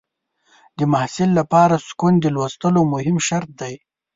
د محصل لپاره سکون د لوستلو مهم شرط دی.